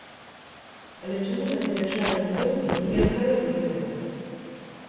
Але чаму тады дзяржава не возьме і не адгародзіць гэта?